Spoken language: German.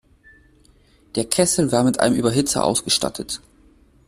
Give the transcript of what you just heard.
Der Kessel war mit einem Überhitzer ausgestattet.